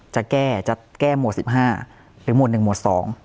จะแก้จะแก้หมวด๑๕หรือหมวด๑หมวด๒